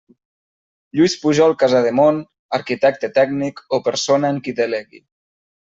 Lluís Pujol Casademont, Arquitecte Tècnic o persona en qui delegui.